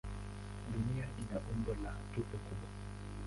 Dunia ina umbo la tufe kubwa.